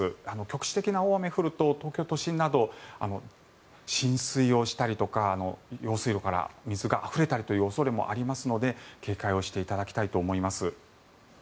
局地的な大雨が降ると東京都心など浸水をしたりとか用水路から水があふれたりという恐れもありますので警戒をしていただきたいと思います。